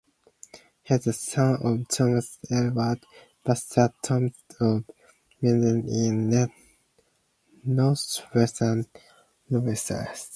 He is the son of Thomas Edward "Buster" Toms of Minden in northwestern Louisiana.